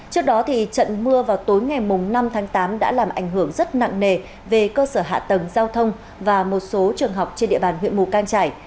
trước đó trận mưa vào tối ngày năm tháng tám đã làm ảnh hưởng rất nặng nề về cơ sở hạ tầng giao thông và một số trường học trên địa bàn huyện mù cang trải